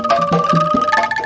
nuh ntar selesai